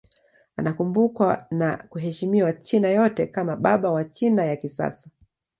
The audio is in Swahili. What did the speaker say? Anakumbukwa na kuheshimiwa China yote kama baba wa China ya kisasa.